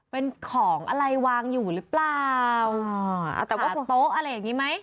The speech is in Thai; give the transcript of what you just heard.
เป็นของอะไรวางอยู่หรือเปล่าอ่าแต่ว่าโต๊ะอะไรอย่างงี้ไหม